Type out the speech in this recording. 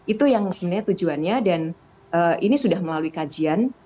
itu yang sebenarnya tujuannya dan ini sudah melalui kajian